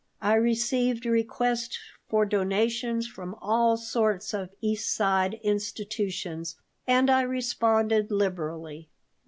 I received requests for donations from all sorts of East Side institutions and I responded liberally.